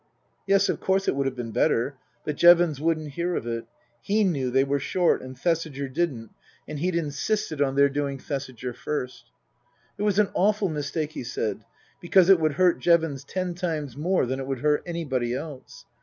Yes, of course it would have been better. But Jevons wouldn't hear of it. He knew they were short and Thesiger didn't, and he'd insisted on their doing Thesiger first. It was an awful mistake, he said, because it would hurt Jevons ten times more than it would hurt anybody else.